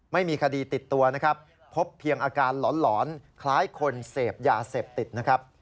ไม่มีคดีติดตัวนะครับพบเพียงอาการหลอนคล้ายคนเสพยาเสพติดนะครับ